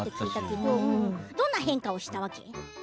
どんな変化をした？